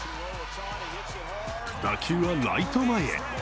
打球はライト前へ。